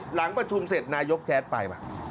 หลังประชุมเสร็จนายกแจ๊ดไปป่ะ